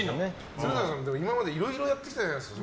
鶴太郎さん、今までいろいろやってきたじゃないですか